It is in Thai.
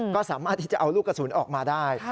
ก็สามารถที่จะเอาลูกกระสุนออกมาได้